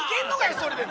それでも。